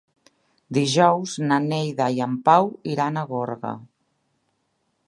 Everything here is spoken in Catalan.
Dijous na Neida i en Pau iran a Gorga.